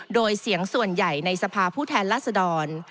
โดยเสียงส่วนใหญ่ในสภาผู้แทนรัศดร